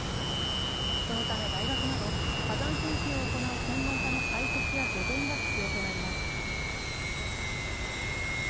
そのため大学など、火山研究を行う専門家の解説や助言が必要となります。